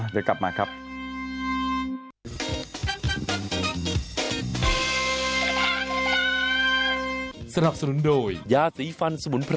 เดี๋ยวกลับมาครับ